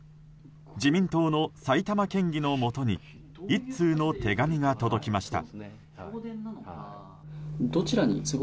自民党の埼玉県議のもとに１通の手紙が届きました。